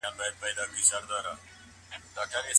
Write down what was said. اغا به ویل چې تا دا نجلۍ په خپلو خبرو لېونۍ کړې ده.